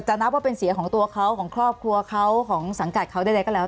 นับว่าเป็นเสียของตัวเขาของครอบครัวเขาของสังกัดเขาใดก็แล้ว